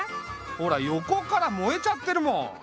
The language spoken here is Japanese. ほら横から燃えちゃってるもん。